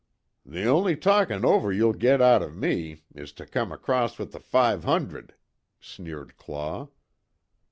"The only talkin' over you'll git out of me, is to come acrost with the five hundred," sneered Claw.